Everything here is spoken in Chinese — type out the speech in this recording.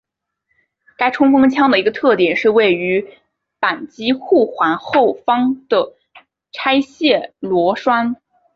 该冲锋枪的一个特点是位于扳机护环后方的拆卸螺栓。